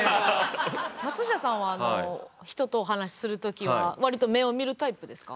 松下さんは人とお話しする時はわりと目を見るタイプですか？